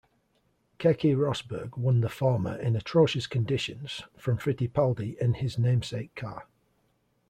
Keke Rosberg won the former in atrocious conditions from Fittipaldi in his namesake car.